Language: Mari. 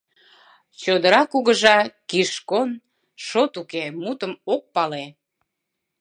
Чодыра Кугыжа — Кишкон — «шот уке» мутым ок пале!